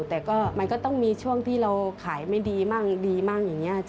แต่ก็มันก็ต้องมีช่วงที่เราขายไม่ดีมั่งดีมั่งอย่างนี้